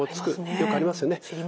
よくありますよね。